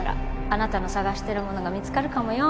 あなたの捜してるものが見つかるかもよ